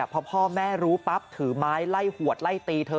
เพราะพอแม่รู้ิัพถือไม้ไล่หัวไหล่ตีเธอ